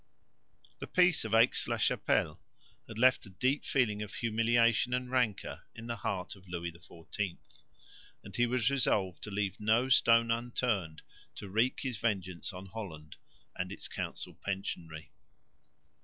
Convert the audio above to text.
The peace of Aix la Chapelle had left a deep feeling of humiliation and rancour in the heart of Louis XIV; and he was resolved to leave no stone unturned to wreak his vengeance on Holland and its council pensionary.